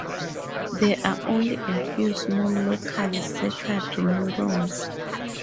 There are only a few small local circuitry neurons.